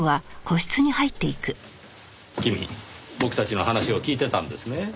君僕たちの話を聞いてたんですね。